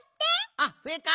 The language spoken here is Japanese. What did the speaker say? あっふえか。